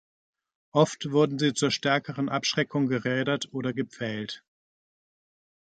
Oft wurden sie zur stärkeren Abschreckung gerädert oder gepfählt.